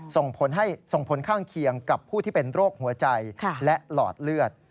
ส่งผลให้ส่งผลข้างเคียงกับผู้ที่เป็นโรคหัวใจและหลอดเลือด